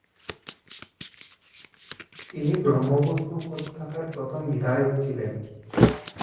তিনি ব্রহ্মপুত্র উপত্যকার প্রথম বিধায়ক ছিলেন।